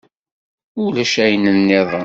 Ulac ayen-nniḍen?